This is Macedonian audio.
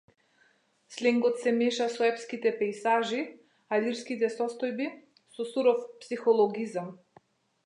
Сленгот се меша со епските пејзажи, а лирските состојби со суров психологизам.